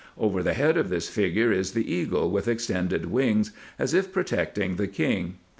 Over the head of this figure is the eagle with extended wings, as if protecting the king.